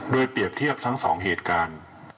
โดยเปรียบเทียบทั้ง๒เหตุการณ์